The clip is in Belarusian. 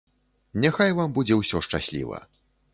Няхай вам будзе ўсё шчасліва.